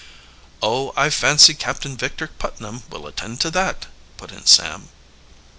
"Oh, I fancy Captain Victor Putnam will attend to that," put in Sam.